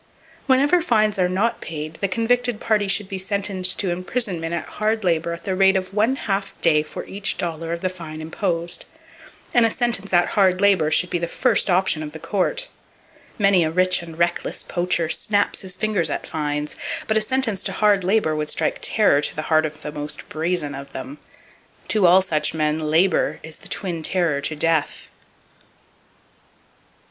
Whenever fines are not paid, the convicted party should be sentenced to imprisonment at hard labor at the rate of one half day for each dollar [Page 261] of the fine imposed; and a sentence at hard labor should be the first option of the court! Many a rich and reckless poacher snaps his fingers at fines; but a sentence to hard labor would strike terror to the heart of the most brazen of them. To all such men, "labor" is the twin terror to "death."